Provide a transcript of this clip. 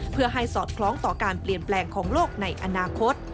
เพื่อให้สอดคล้องต่อการเปลี่ยนแปลงของโลกในอนาคต